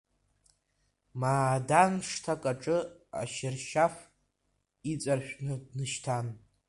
Маадан шҭак аҿы ашьыршьаф иҵаршәны дышьҭан.